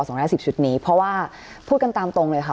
สองห้าสิบชุดนี้เพราะว่าพูดกันตามตรงเลยค่ะ